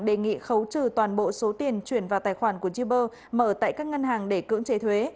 đề nghị khấu trừ toàn bộ số tiền chuyển vào tài khoản của uber mở tại các ngân hàng để cưỡng chế thuế